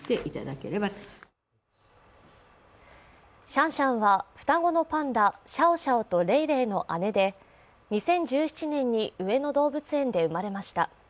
シャンシャンは双子のパンダシャオシャオとレイレイの姉で２０１７年に上野動物園で生まれました。